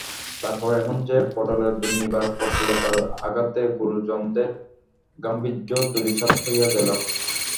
তার পরে এমন যে, পটলের দুর্নিবার প্রফুল্লতার আঘাতে গুরুজনদের গাম্ভীর্য ধূলিসাৎ হইয়া গেল।